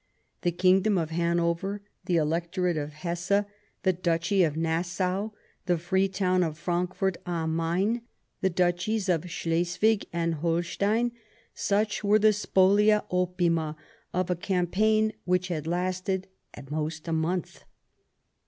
The Kingdom of Hanover, the Electorate of Hesse, the Duchy of Nassau, the Free Town of Frankfort on Main, the Duchies of Slesvig and Holstein — such were the S'fyolia opima of a campaign which had lasted at most a month.